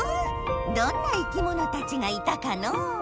どんないきものたちがいたかのう？